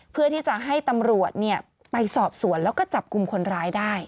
เพื่อที่จะให้ตำรวจไปสอบสวนแล้วก็จับกลุ่มคนร้ายได้